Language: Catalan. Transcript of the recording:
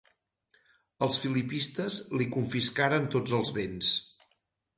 Els filipistes li confiscaren tots els béns.